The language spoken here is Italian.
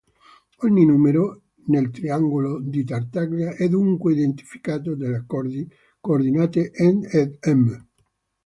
Ogni numero nel triangolo di Tartaglia è dunque identificato dalle coordinate "n" ed "m".